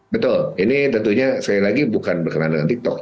betul ini tentunya sekali lagi bukan berkenaan dengan tiktok